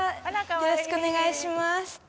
よろしくお願いします。